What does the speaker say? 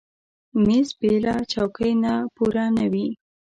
مېز بېله چوکۍ نه پوره نه وي.